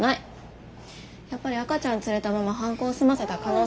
やっぱり赤ちゃん連れたまま犯行を済ませた可能性もないね。